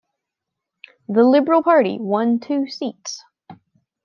The Liberal Party won two seats.